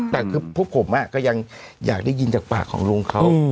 แต่คือพวกผมก็ยังอยากได้ยินจากปากของลุงเขา